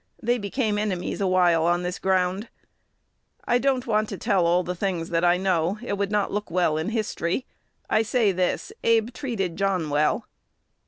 They became enemies a while on this ground. I don't want to tell all the things that I know: it would not look well in history. I say this: Abe treated John well."